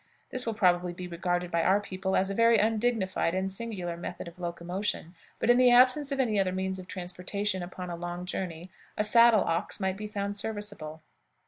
This will probably be regarded by our people as a very undignified and singular method of locomotion, but, in the absence of any other means of transportation upon a long journey, a saddle ox might be found serviceable.